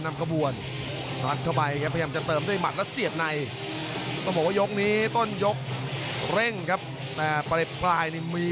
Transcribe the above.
ลำกระบวนซัดเข้าไป